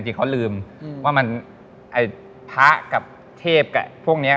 จริงเขาลืมว่ามันไอ้พระกับเทพกับพวกนี้